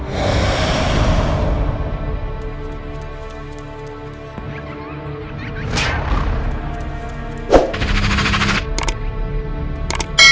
tidak ada yang bisa dihilang